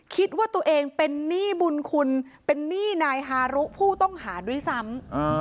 คิดว่าตัวเองเป็นหนี้บุญคุณเป็นหนี้นายฮารุผู้ต้องหาด้วยซ้ำ